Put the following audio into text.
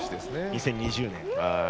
２０２０年。